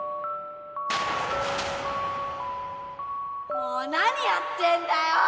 もう何やってんだよ！